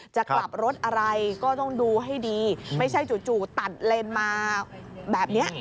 จะกลับรถอะไรก็ต้องดูให้ดีไม่ใช่จู่ตัดเลนมาแบบนี้